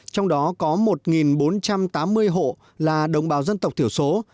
trong đó có một bốn trăm tám mươi hộ là đồng bào dân tộc thiểu số